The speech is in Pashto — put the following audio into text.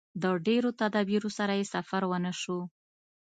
د ډېرو تدابیرو سره یې سفر ونشو.